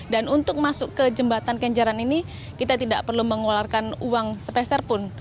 dan untuk masuk ke jembatan kenjaran ini kita tidak perlu mengeluarkan uang sepeser pun